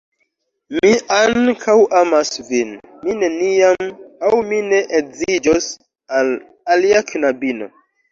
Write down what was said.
Mi ankaŭ amas vin. Mi neniam, aŭ mi ne edziĝos al alia knabino.